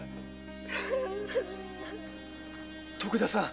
徳田さん。